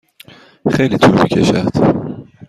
خیلی طول می کشد.